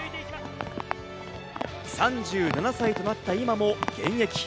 ３７歳となった今も現役。